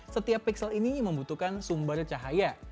setiap pixel ini membutuhkan sumber cahaya